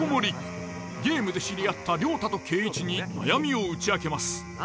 ゲームで知り合った亮太と恵一に悩みを打ち明けます。